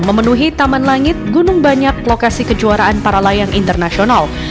memenuhi taman langit gunung banyak lokasi kejuaraan para layang internasional